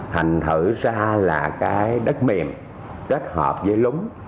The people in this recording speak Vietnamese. thành thử ra là cái đất mềm kết hợp với lúng